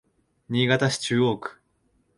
新潟市中央区